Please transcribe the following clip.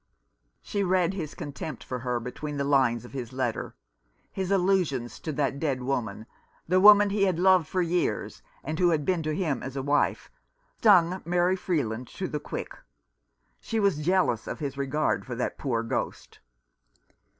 She read his contempt for her between the lines of his letter. His allusions to that dead woman — the woman he had loved for years, and who had been to him as a wife — stung Mary Freeland to 169 Rough Justice. the quick. She was jealous of his regard for that poor ghost.